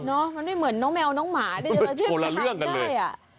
เนาะมันไม่เหมือนน้องแมวน้องหมาเนี่ย